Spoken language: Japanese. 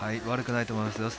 悪くないと思います。